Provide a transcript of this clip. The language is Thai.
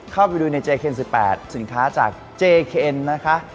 เข้าไปดูในเจเคน๑๘สินค้าจากเจเคนนะคะ